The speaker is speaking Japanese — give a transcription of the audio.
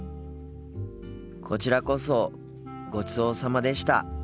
こちらこそごちそうさまでした。